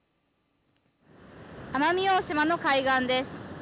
奄美大島の海岸です。